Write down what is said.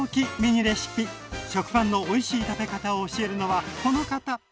食パンのおいしい食べ方を教えるのはこの方！